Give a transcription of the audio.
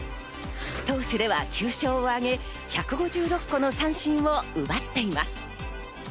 投手では９勝を挙げ、１５６個の三振を奪っています。